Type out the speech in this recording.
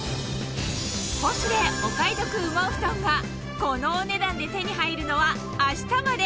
『ポシュレ』お買い得羽毛ふとんがこのお値段で手に入るのは明日まで！